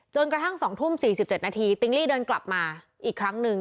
กระทั่ง๒ทุ่ม๔๗นาทีติ๊งลี่เดินกลับมาอีกครั้งหนึ่ง